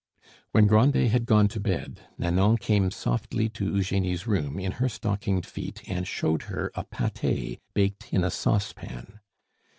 When Grandet had gone to bed Nanon came softly to Eugenie's room in her stockinged feet and showed her a pate baked in a saucepan.